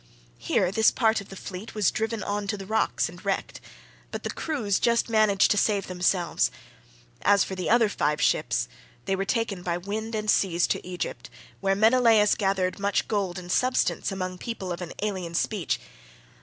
Here this part of the fleet was driven on to the rocks and wrecked; but the crews just managed to save themselves. As for the other five ships, they were taken by winds and seas to Egypt, where Menelaus gathered much gold and substance among people of an alien speech.